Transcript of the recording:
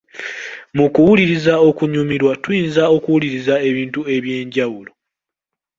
Mu kuwuliriza okunyumirwa tuyinza okuwuliriza ebintu eby’enjawulo.